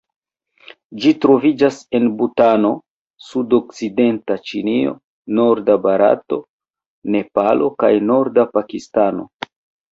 Ĝi troviĝas en Butano, sudokcidenta Ĉinio, norda Barato, Nepalo kaj norda Pakistano.